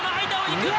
いく！